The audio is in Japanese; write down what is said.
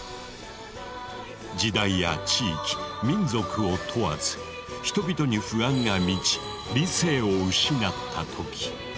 時代や地域民族を問わず人々に不安が満ち理性を失った時。